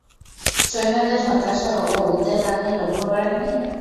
সৈন্যদের হতাশা ও উদ্বেগ আপনি লক্ষ্য করেন নি?